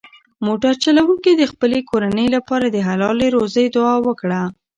موټر چلونکي د خپلې کورنۍ لپاره د حلالې روزۍ دعا وکړه.